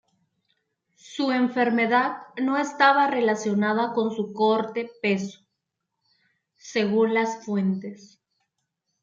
Su enfermedad no estaba relacionada con su corte peso, según las fuentes.